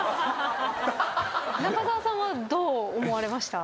中澤さんはどう思われました？